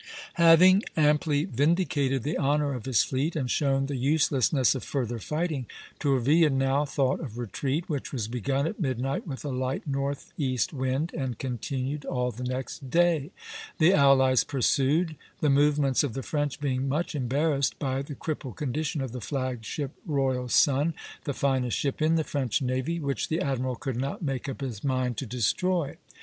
Having amply vindicated the honor of his fleet, and shown the uselessness of further fighting, Tourville now thought of retreat, which was begun at midnight with a light northeast wind and continued all the next day. The allies pursued, the movements of the French being much embarrassed by the crippled condition of the flag ship "Royal Sun," the finest ship in the French navy, which the admiral could not make up his mind to destroy.